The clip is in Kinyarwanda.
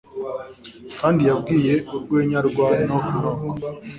kandi yabwiye urwenya rwa knock knock